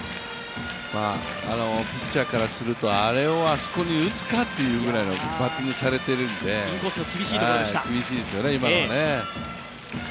ピッチャーからするとあれをあそこに打つかというぐらいのバッティングされているんで、今のは厳しいですよね。